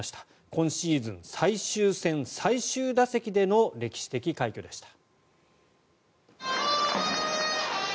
今シーズン最終戦最終打席での歴史的快挙でした。